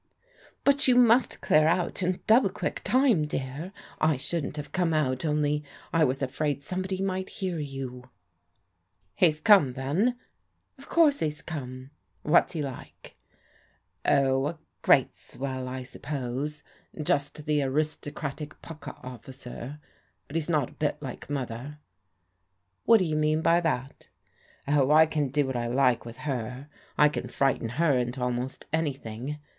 "But you must clear out in double quick time, dear, I shouldn't have come out only I was afraid somebody might hear you/* "He's come then?" " Of course he's come." *'What'shelike?" "Dh, a great swell, I suppose. Just the aristocratic * pukka ' officer. But he's not a bit like Mother." " What do you mean by that? "" Oh, I can do what I like with her. I can frighten her into almost anything.